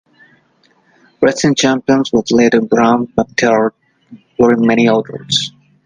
Racing Champions was a leading brand, but there were many others.